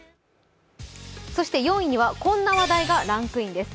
そして４位にはこんな話題がランクインです。